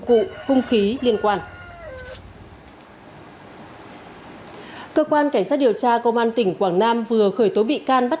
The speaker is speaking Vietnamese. cụ không khí liên quan à ở cơ quan cảnh sát điều tra công an tỉnh quảng nam vừa khởi tố bị can bắt